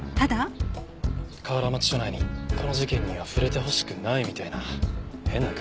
河原町署内にこの事件には触れてほしくないみたいな変な空気があって。